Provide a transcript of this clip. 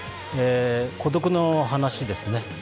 孤独の話ですね。